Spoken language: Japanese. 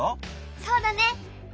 そうだね！